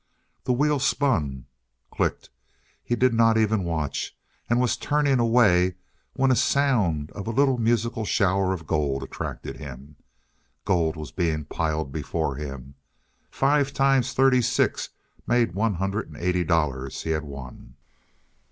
The wheel spun, clicked; he did not even watch, and was turning away when a sound of a little musical shower of gold attracted him. Gold was being piled before him. Five times thirty six made one hundred and eighty dollars he had won!